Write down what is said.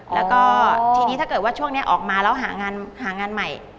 แล้วก็ทีนี้ถ้าเกิดว่าช่วงนี้ออกมาแล้วหางานใหม่